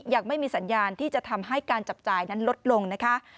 ยังไม่มีสัญญาณที่จะทำให้การจับจ่ายนั้นลดลงนะคะ